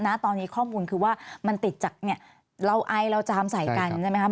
ตอนนี้ข้อมูลคือว่ามันติดจากเนี่ยเราไอเราจามใส่กันใช่ไหมครับ